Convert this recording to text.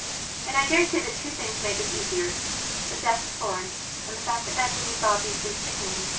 And I dare say that two things made this easierthe death of Florence and the fact that Edward was obviously sickening.